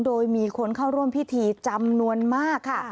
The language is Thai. โดยมีคนเข้าร่วมพิธีจำนวนมากค่ะ